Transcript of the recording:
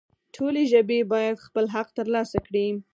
ټولې ژبې باید خپل حق ترلاسه کړي